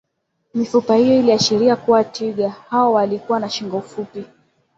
mifupa hiyo iliashiria kuwa twiga hao walikuwa na shingo fupi